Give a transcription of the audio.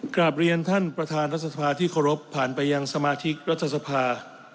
กลับเรียนท่านประธานรัฐสภาที่เคารพผ่านไปยังสมาชิกรัฐสภา